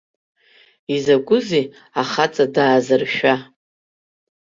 Изакәызеи ахаҵа даазыршәа?